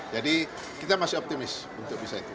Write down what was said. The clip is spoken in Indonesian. jadi kita masih optimis untuk bisa itu